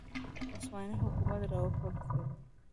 عثماني حکومت راوپرځېد